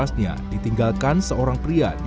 saya gak dapat